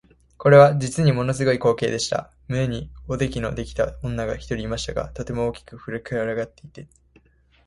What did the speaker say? これは実にもの凄い光景でした。胸におできのできた女が一人いましたが、とても大きく脹れ上っていて、